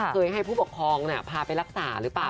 เคยให้ผู้ปกครองพาไปรักษาหรือเปล่า